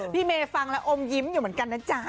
พิเมฟังและโอมยิ้มเหมือนกันนะจ้ะ